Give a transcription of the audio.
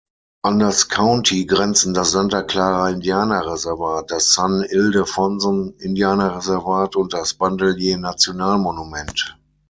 An das County grenzen das Santa-Clara-Indianerreservat, das San-Ildefonson-Indianerreservat und das Bandelier National Monument.